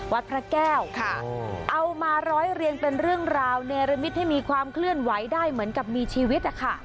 วัดพระแก้วเอามาร้อยเรียงเป็นเรื่องราวเนรมิตให้มีความเคลื่อนไหวได้เหมือนกับมีชีวิตนะคะ